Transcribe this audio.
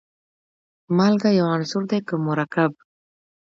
مالګه یو عنصر دی که مرکب.